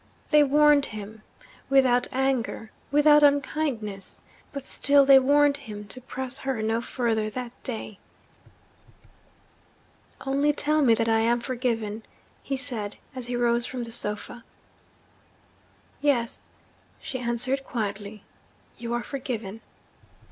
They warned him without anger, without unkindness but still they warned him to press her no further that day. 'Only tell me that I am forgiven,' he said, as he rose from the sofa. 'Yes,' she answered quietly, 'you are forgiven.'